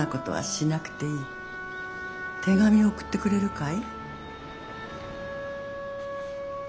手紙を送ってくれるかい？」。